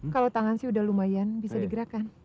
kalau tangan sih udah lumayan bisa digerakkan